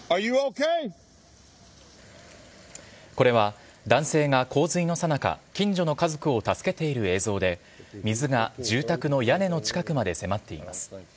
これは男性が洪水のさなか、近所の家族を助けている映像で、水が住宅の屋根の近くまで迫っています。